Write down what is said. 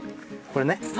これね。